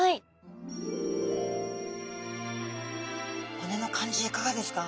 骨の感じいかがですか？